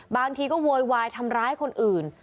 บางทีก็โวยวายทำร้ายคนอื่น